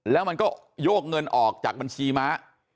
แล้วมันก็โยกเงินออกจากบัญชีม้า